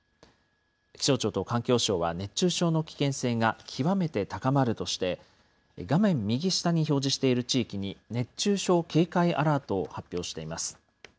気象庁と環境省は熱中症の危険性が極めて高まるとして、画面右下に表示している地域に、熱中症警戒アラートを発表しています。